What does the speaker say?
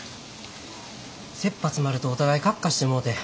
せっぱ詰まるとお互いカッカしてもうて。